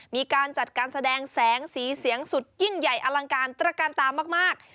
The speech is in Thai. มีการจัดการแสดงแสงสีเสียงสุดยิ่งใหญ่อลังการตระการตามาก